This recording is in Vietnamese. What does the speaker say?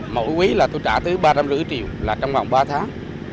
mỗi quý là tôi trả tới ba trăm năm mươi triệu là trong vòng ba tháng